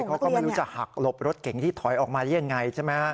มอเตอร์ไซค์ก็ไม่รู้จะหักหลบรถเก่งที่ถอยออกมาได้ยังไงใช่ไหมครับ